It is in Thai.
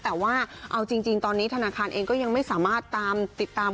แต่ว่าเอาจริงตอนนี้ธนาคารเองก็ยังไม่สามารถตามติดตาม